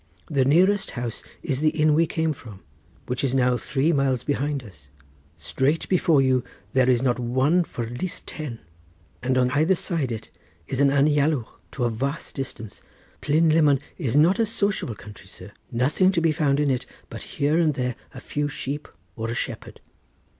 The nearest house is the inn we came from, which is now three miles behind us. Straight before you there is not one for at least ten, and on either side it is an anialwch to a vast distance. Plunlummon is not a sociable country, sir; nothing to be found in it, but here and there a few sheep or a shepherd."